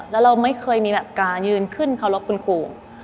แล้วเราไม่เคยมีแบบการยืนขึ้นเคารพคุณครู